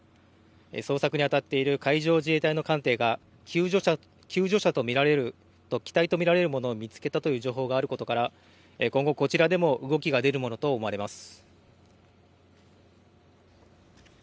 捜索に当たっている海上自衛隊の艦艇が救助者と見られる機体と見られるものを見つけたという情報があることから今後、こちらでも動きが出るものと思われます。